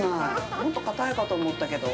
もっと硬いかと思ったけど。